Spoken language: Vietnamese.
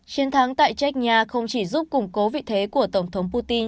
chiến thắng tại chechnya không chỉ giúp củng cố vị thế của tổng thống putin